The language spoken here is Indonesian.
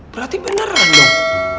berarti beneran dong